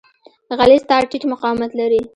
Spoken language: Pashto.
غلیظ تار ټیټ مقاومت لري.